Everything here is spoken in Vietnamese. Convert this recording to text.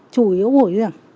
chủ yếu hồi như thế này